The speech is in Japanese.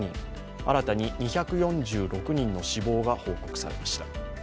新たに２４６人の死亡が報告されました。